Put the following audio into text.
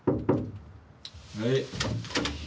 はい。